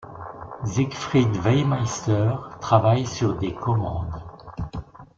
Siegfried Wehrmeister travaille sur des commandes.